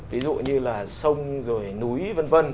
ví dụ như là sông rồi núi vân vân